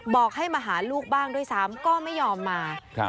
บอกให้มาหาลูกบ้างด้วยซ้ำก็ไม่ยอมมา